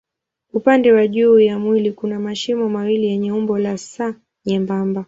Upande wa juu wa mwili kuna mashimo mawili yenye umbo la S nyembamba.